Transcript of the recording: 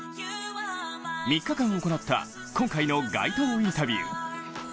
３日間行った今回の街頭インタビュー。